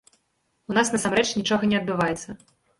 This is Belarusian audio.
У нас насамрэч нічога не адбываецца.